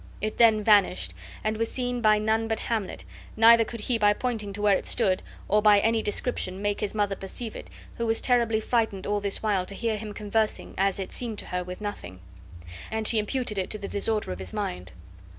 It then vanished, and was seen by none but Hamlet, neither could he by pointing to where it stood, or by any description, make his mother perceive it, who was terribly frightened all this while to hear him conversing, as it seemed to her, with nothing; and she imputed it to the disorder of his mind.